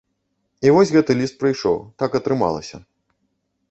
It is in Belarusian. І вось гэты ліст прыйшоў, так атрымалася.